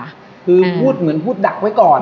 คือพูดเหมือนพูดดักไว้ก่อน